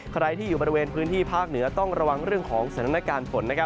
ใครที่อยู่บริเวณพื้นที่ภาคเหนือต้องระวังเรื่องของสถานการณ์ฝน